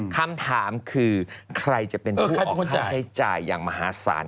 คำถามคือใครจะเป็นผู้ออกค่าใช้จ่ายอย่างมหาศาล